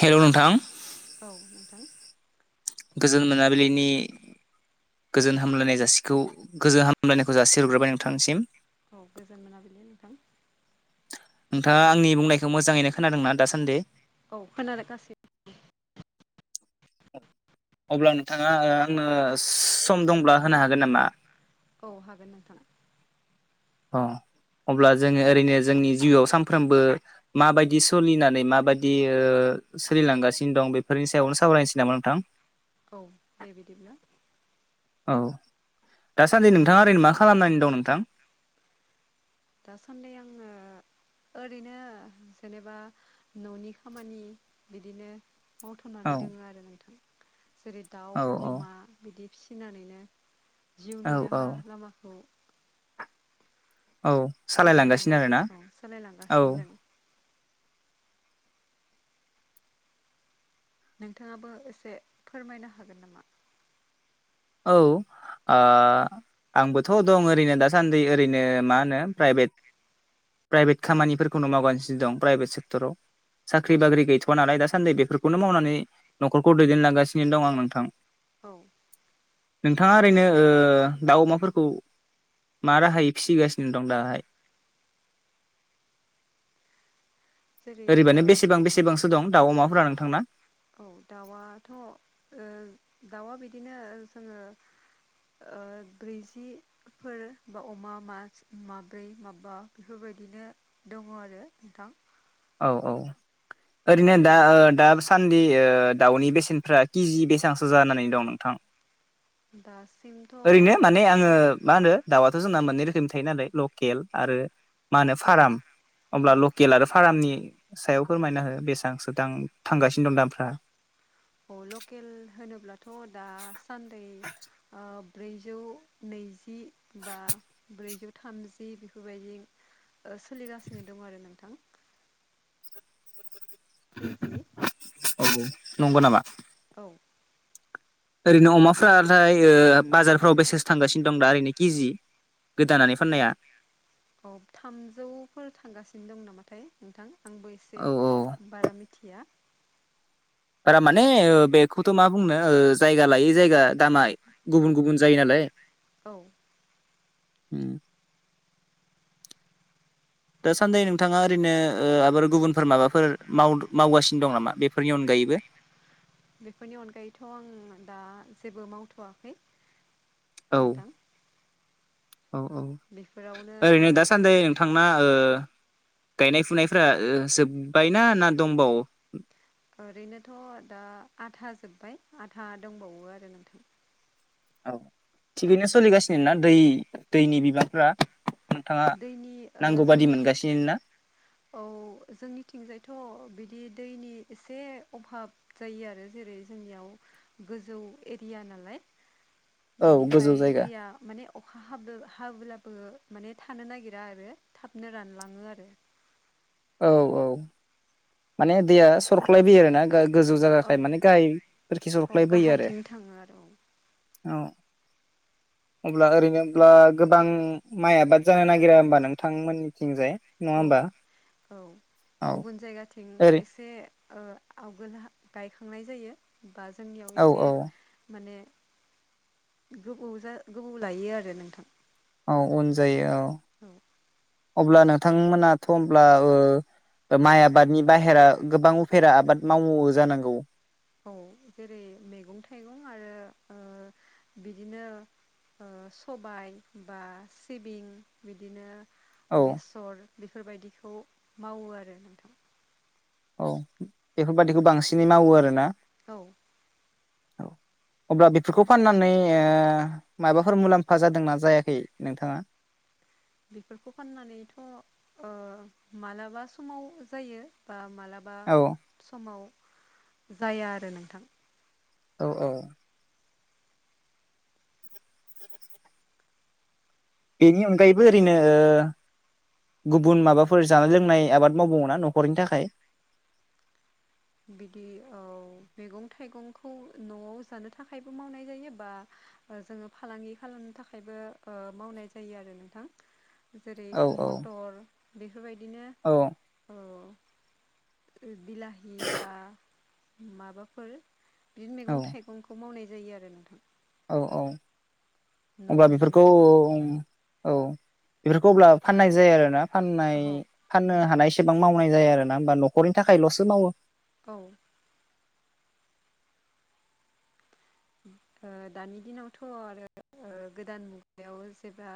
हेल' नोंथां औ नोंथां गोजोन मोनाबिलिनि गोजोन हामलायनाय जासिखौ गोजोन हामलायनायखौ जासि हरग्रोबाय नोंथांसिम औ गोजोन मोनाबिलि नोंथां नोंथाङा आंनि बुंनायखौ मोजाङैनो खोनादोंना दासान्दि औ खोनादों गासिबो अब्ला नोंथाङा आंनो सम दंब्ला होनो हागोन नामा औ हागोन नोंथां अ अब्ला जोङो ओरैनो जोंनि जिउआव सानफ्रोमबो माबायदि सोलिनानै माबायदि सोलिलांगासिनो दं बेफोरनि सायावनो सावरायनोसै नामा नोंथां औ दे बिदिब्ला औ दासान्दि नोंथाङा ओरैनो मा खालामनानै दं नोंथां दासान्दि आङो ओरैनो जेनेबा न'नि खामानि बिदिनो औ मावथनानै दोङो आरो नोंथां जेरै दाउ औ औ अमा बिदि फिसिनानैनो जिउनि औ औ राहा लामाखौ औ सालायलांगासिनो आरोना दैदेनलांगासिनो औ औ सोलिलांगासिनो दं नोंथाङाबो एसे फोरमायनो हागोन नामा औ आंबोथ' दं ओरैनो दासान्दि ओरैनो मा होनो प्राइभेट प्राइभेट खामानिफोरखौनो मावगासिनो दं प्राइभेट सेक्टराव औ साख्रि बाख्रि गैथ'वा नालाय दासान्दि बेफोरखौनो मावनानै न'खरखौ दैदेनलांगासिनो दं आं नोंथां औ नोंथाङा ओरैनो दाउ अमाफोरखौ मा राहायै फिसिगासिनो दं दाहाय जेरै ओ ओरैबानो बेसेबां बेसेबांसो दं दाउ अमाफोरा नोंथांना औ दाउआथ' दाउआ बिदिनो जोङो ब्रैजि फोर बा अमा मा माब्रै माबा बेफोरबायदिनो दङ आरो नोंथां औ औ ओरैनो जेरै दा दा सान्दि दाउनि बेसेनफ्रा किजि बेसेबांसो जानानै दं नोंथां दासिमथ' ओरैनो औ माने आं जोङो मा होनो दाउआथ' जोंना मोननै रोखोमनि थायो नालाय लकेल आरो मा होनो फार्म अब्ला औ लकेल आरो फार्मनि सायाव फोरमायना हो बेसेबां सो दाम थांगासिनो दं दामफ्रा औ लकेल होनोब्लाथ' दासान्दि ब्रैजौ नैजि बा ब्रैजौ थामजि बेफोरबायदि सोलिगासिनो दं आरो नोंथां केजि औ नंगौ नामा औ ओरैनो अमाफोरा थाय बाजारफ्राव बेसे थांगासिनो दं दा ओरैनो केजि दानानै फाननाया औ थामजौफोर थांगासिनो दं नामाथाय नोंथां आंबो एसे औ औ बारा मिथि मिथिया बारा माने बेखौथ' मा बुंनो जायगा लायै जायगा दामाय गुबुन गुबुन जायो नालाय औ उ [inaudible] दाासान्दि नोंथाङा ओरैनो आबाद गुबुनफोर माबाफोर माव मावगासिनो दं नामा बेफोरनि अनगायैबो बेफोरनि अनगायैथ' आं दा जेबो मावथ'वाखै औ नोंथां औ औ बेफोरावनो ओ ओरैनो दासान्दि नोंथां ना गायनाय फुनायफ्रा जोब्बायना ना दंबावो ओरैनोथ' दा आथा जोब्बाय आथा दंबावो आरो नोंथां औ थिगैनो सोलिगासिनो ना दै दैनि बिबांफ्रा नोंथाङा दैनि ओ नांगौ बादि जोंनि मोनगासिनो ना औ जोंनिथिंजायथ' बिदि दैनि एसे अभाब जायो आरो जेरै जोंनियाव गोजौ एरिया नालाय औ गोजौ बेनिखाय जायगा दैया माने अखा हाब हाब्लाबो माने थानो नागिरा आरो थाबनो रानलाङो आरो औ औ माने दैया सरख्लायबोयो आरो ना गोजौ औ जागाखाय माने गाहायफोरखि औ सरख्लायबोयो आरो गाहायथिं थाङो आरो औ अब्ला ओरैनोब्ला गोबां माइ आबाद जानो नागिरा होमबा नोंथांमोननिथिंजाय नङा औ होमबा औ औ गुबुन जायगाथिं ओरै एसे आवगोल गायखांनाय जायो बा जोंनियाव औ एसे औ माने गोबौ जा गोबौ लायो आरो नोंथां औ उन जायो औ अब्ला नोंथांमोनाथ' होमब्ला माइ आबादनि बाहेरा गोबां उफेरा आबाद मावो जानांगौ औ जेरै मैगं थाइगं आरो बिदिनो सबाय बा सिबिं बिदिनो औ बेसर बेफोरबायदिखौ मावो आरो नोंथां औ बेफोरबादिखौ बांसिनै मावो आरोोना औ औ अब्ला बेफोरखौ फाननानै माबाफोर मुलाम्फा जादोंना जायाखै नोंथाङा बेफोरखौ फाननानैथ' मालाबा समाव जायो बा मालाबा औ बा समाव जाया आरो नोंथां औ औ बेनि अनगायैबो ओरैनो गुबुन माबाफोर जानाय लोंनाय आबाद मावबाव ना न'खरनि थाखाय बिदि औ मैगं थाइगंखौ न'आव जानो थाखायबो मावनाय जायो बा जोङो फालांगि खालामनो थाखायबो मावनाय जायो आरो नोंथां [inaudible] जेरै औ औ मटर बेफोरबायदिनो औ अ बिलााहि माबाफोर बिदिनो औ मैगं थाइगंखौ मावनाय जायो आरो नोंथां औ औ होनब्ला न'आव जानो बेफोरखौ थाखाय औ बेफोरखौ अब्ला फाननाय जायो आरोोना फाननाय औ फाननो हानाय एसेबां मावनाय जायो आर ना होमबा न'खरनि थाखायल'सो मावो औ दानि दिनावथ' आरो गोदान मुगायाव जेबब्ला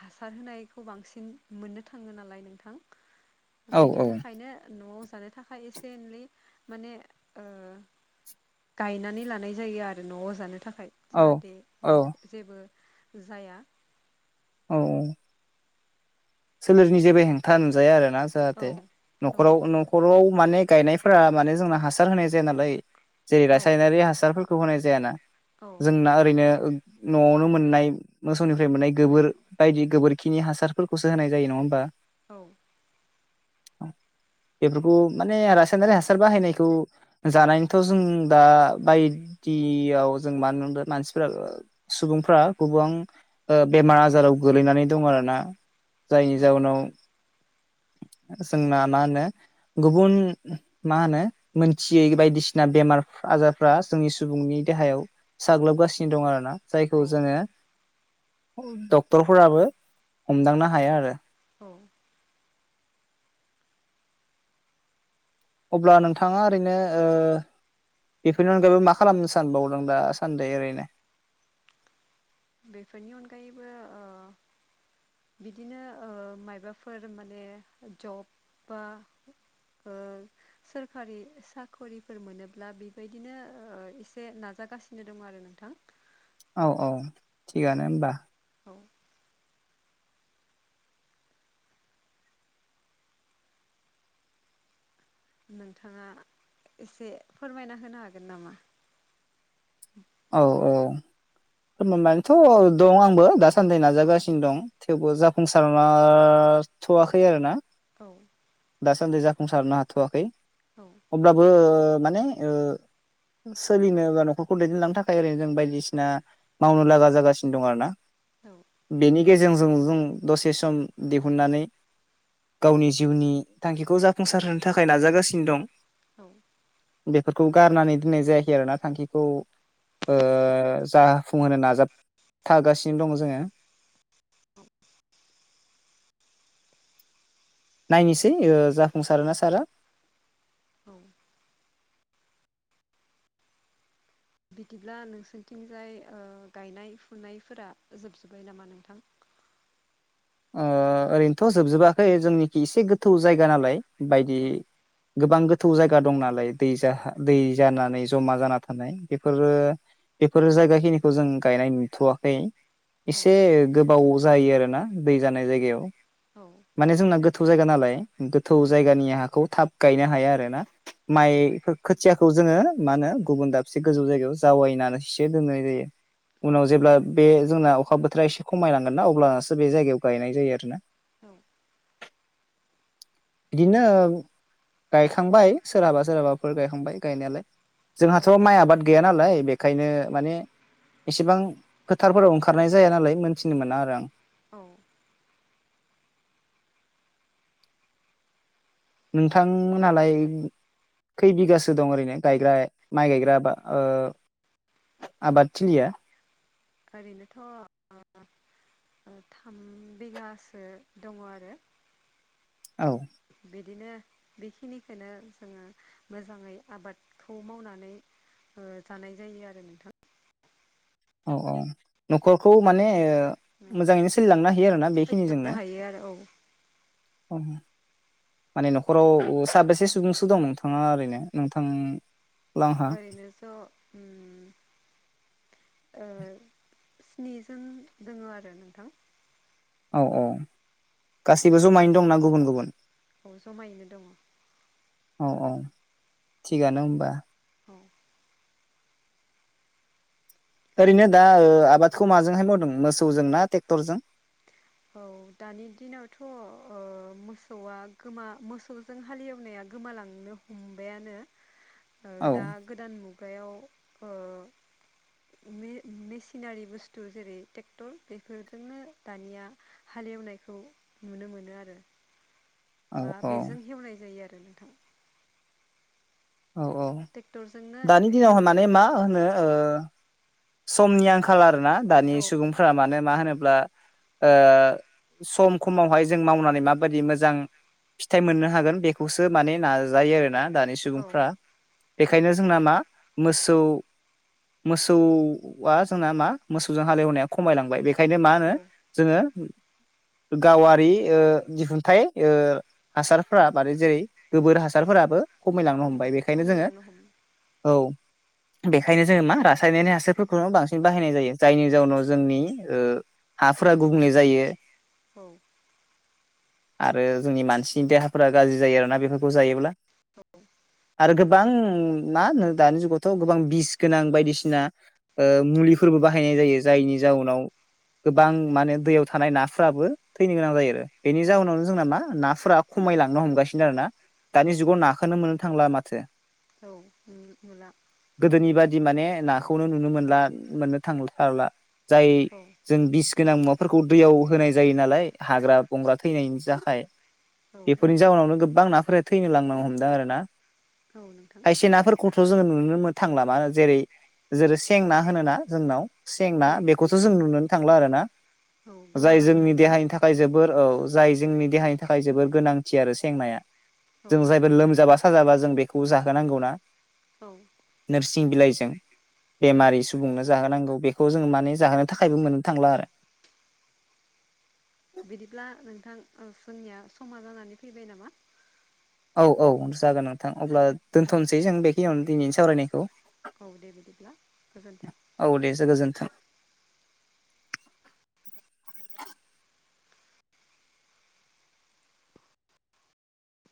हासार होनायखौ बांसिन मोननो थाङो नालाय नोंथां औ बेनि औ थाखायनो न'आव जानो थाखाय एसेन मान गायनानै ल थानायानाय जायो आरो न'आव जानो थाखाय औ जाहाथे औ बे जेबो जाया औ औ सोलेरनि जेबो हेंथा नजाया आरो ना औ जाहाथे औ न'खाव नोंथां न'खराव माने गायनाय फोर माने जोंना हासार होनाय जाया नालाय जेरै औ रासायनारि हासारफोरखौ होनाय जायाना औ जोंना ओरैनो न'आवनो मोननाय मोसौनिफ्राय मोननाय गोबोर बायदि गोबोरखिनि हासार खौसो होनाय जायो नङा होमबा औ औ बेफोरखौ माने रासायनारि हासार बाहायनायखौ जानायथ' जों दा बायदियाव जों मानोदों मानसिफोरा सुबुंफ्रा गोबां बेमार आजाराव गोलैनानै दं आरो ना जायनि औ जाउोनाव जोंना मा होनो गुबुन मा होनो मोनथियै बायदिसिना बेमार आजारफ्रा जोंनि सुबुंनि देहायाव साग्लोबगासिनो दं आरोना जायखौ औ जोङो डक्टरफोराबो हमदांनो हाया आरो औ अब्ला नोंथाङा ओरैनो बेफोरनि अनगायैबो मा खालामनो सानबावदों दा सान्दि ओरैनो बेफोरनि अनगायैबो बिदिनो मायबाफोर माने जब बा ओ सोरखारि साखरिफोर मोनोब्ला बेबायदिनो एसे नाजागासिनो दं आरो नोंथां औ औ थिगानो होमबा औ नोंथाङा एसे फोरमायना होनो हागोन नामा औ औ फोरमा मानोथ' दं आंबो दासान्दि औ नाजागासिनो दं थेवबो जाफुंसार थ'वाखै आरो ना औ दासान्दि जाफुंसारनो हाथ'वाखै औ अब्लाबो माने सोलिनो बा न'खरखौ दैदेनलां थाखाय ओरैनो जों बायदिसिना मावनो लागा जागासिनो दं आरो ना औ बेनि गेजेरजों जों दसे सम दिहुननानै गावनि जिउनि थांखिखौ जाफुंसार होनो थाखाय नाजागासिनो औ दं बेफोरखौ गारनानै दोननाय जायाखै आरोना थांखिखौ जाफुंहोनो नाजाबथागासिनो दङ जोङो औ नायनोसै जाफुंसारोना सारा औ बिदिब्ला नोंसोरथिंजाय गायनाय फुनायफोरा जोबजोब्बाय नामा नोंथां ओरैनोथ' जोबजोबाखै जोंनिखि एसे गोथौ जायगा नालाय बायदि औ गोबां गोथौ जायगा दं नालाय दै दै जानानै जमा जाना थानाय बेफोरो बेफोर जायगा खिनिखौ जों गायनाय नुथ'वाखै औ एसे गोबाव जायो आरोना दै जानाय जायगायाव औ माने जोंना गोथौ जायगा नालाय गोथौ जायगानि हाखौ थाब गायनो हाया आरो ना माइफोर खोथियाखौ जोङो मा होनो गुबुन दाबसे गोजौ जायगायाव जावायनानै सो दोननाय जायो औ उनाव जेब्ला बे जोंना अखा बोथोरा एसे खमायलांगोन ना अब्लसो बे जायगायाव गायनाय जायो आरोना औ बिदिनो गायखांबाय सोरहाबा सोरहाबाफोर गायखांबाय गायनायालाय जोंहाथ' माइ आबाद गैया नालाय बेखायनो माने इसेबां फोथारफोराव ओंखारनाय जाया नालाय मोनथिनो मोना आरो आं औ नोंथांमोनालाय खै बिगासो दं ओरैनो गायग्रा माइ गायग्रा बा आबादथिलिया ओरैनोथ' थाम बिगासो दङ आरो औ बिदिनो बेखिनिखौनो जोङो मोजाङै आबादखौ मावनानै जानाय जायो आरो नोंथां औ औ न'खरखौ माने मोननो मोजाङैनो सोलिलांनो हायो आरो ना बेखिनिजोंनो हायो आरो औ माने न'खराव साबेसे सुबुंसो दं नोंथाङा ओरैनो नोंथां लांहा ओरनोथ ओ स्निजोंन दोङ आरो नोंथां औ औ गासिबो जमायैनो दंना गुबुन गुबुन जमायैनो दङ औ औ थिगानो होमबा औ ओरैनो दा आबादखौ माजोंहाय मावदों मोसौजों ना ट्रेक्टरजों औ दानि दिनावथ' मोसौआ गोमा मोसौ जों हालेवनाया गोमालांनो हमबायानो [inaudible] दा गोदान मुगायाव मेसिनारि बुस्थु जेरै ट्रेक्टर बेफोरजोंनो दानिया हालेवनायखौ नुनो मोनो आरो औ बा औ बेजों हेवनाय जायो आरो ना औ औ ट्रेक्टरजोंनो दानि दिनावहाय हेवदों माने मा होनो समनि आंखााल आर ना दानि औ सुबुंफोरा मानो मा होनोब्ला सम सममावहाय जों मावनानै माबायदि मोजां फिथाइ मोननो हागोन बेखौसो माने नाजायो आरोना दानि औ सुबुंफ्रा बेखायनो जोंना मा मोसौ मोसौ जोंना मा मोसौजों हालेवनाया खमायलांबाय बेखायनो मा होनो औ जोङो गावारि दिहुनथाइ हासारफोरा मादै जेरै गोबोर हासारफोराबो खमायलांनो औ हमबाय बेखायनो जोङो खमिलांनो हमो औ बेखायनो जोङो मा रासायनारि हासो फोरफोरखौनो बांसिन बाहायनाय जायो जायनि जाउनाव जोंनि हाफोरा गुबुंले जायो औ आरो जोंनि मानसिनि देहाफोरा गाज्रि जायो आरोना बेफोरखौ जायोब्ला आरो गोबां मा होन दानि जुगावथ' गोबां बिस गोनां बायदिसिना मुलिफोरबो बाहायनाय जायो जायनि जाउनाव गोबां माने दैयाव थानाय नाफोराबो थैनो गोनां जायो आरो बेनि औ जाहोनावनो जोंना मा नाफोरा खमायलांनो हमगासिनो आरो ना दानि जुगाव नाखौोनो मोननो थांला माथो औ औ गोदोनि बादि माने नाखौनो नुनो मोनला मोननो थांलाथारला जाय औ जों बिस गोनां मुवाफोरखौ दैयाव होनाय जायो नालाय हाग्रा बंग्रा थैनायनि थाखाय औ बेफोरनि जाउनावनो गोबां नाफोरा थैनो लांनो हमदों आरो ना औ नोंथां खायसे नाफोरखौथ' जोङो नुनो मोन थांला मा जेरै जेरै सेंना होनो ना जोंनाव औ सेंना बेखौसो जों नुनो थांला आरो ना औ जाय गोमालांनो जोंनि हमबाय देहानि थाखाय जोबोर औ जाय जोंनि देहानि थाखाय जोबोर गोनांथि आरो सेंनाया औ जों जायबो लोमजाबा साजाबा जों बेखौ जाहोनांगौना औ नोरसिं बिलाइजों बेमारि सुबुंनो जाहोनांगौ बेखौ जोङो माने जाहोनो थाखायबो मोननो थांला आरो बिदिब्ला नोंथां जनिया समा जानानै फैबाय नामा औ औ जागोन नोंथां अब्ला औ दोन्थ'नोसै जों बेखिनियावनो दिनैनि सावरायनायखौ औ दे बिदिब्ला गोजोन्थों औ देसो गोजोन्थों